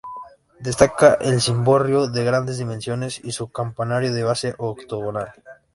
Destaca el cimborrio de grandes dimensiones y su campanario de base octogonal.